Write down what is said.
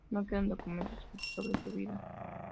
No quedan documentos escritos sobre su vida.